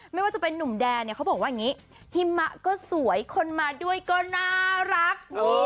ไม่ว่าจะเป็นนุ่มแดนเนี่ยเขาบอกว่าอย่างนี้หิมะก็สวยคนมาด้วยก็น่ารัก